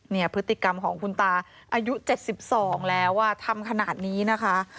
พฤติกรรมของคุณตาอายุ๗๒แล้วทำขนาดนี้นะคะ